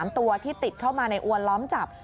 ๓ตัวที่ติดเข้ามาในอวนล้อมจับ